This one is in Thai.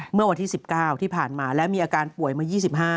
เมื่อวันที่๑๙ที่ผ่านมาและมีอาการป่วยเมื่อ๒๕